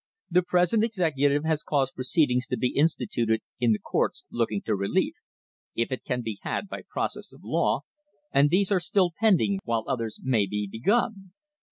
The present executive has caused proceedings to be instituted in the courts looking to relief, if it can be had by process of law, and these are still pending, while others may be begun.